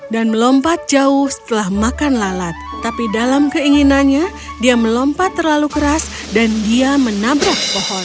dan melompat jauh setelah makan lalat tapi dalam keinginannya dia melompat terlalu keras dan dia menampuk pohon